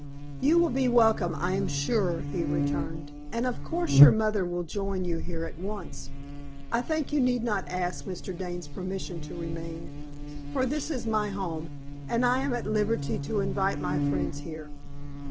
"You will be welcome, I am sure," he returned; "and of course your mother will join you here at once. I think you need not ask Mr. Dane's permission to remain, for this is my home, and I am at liberty to invite my friends here.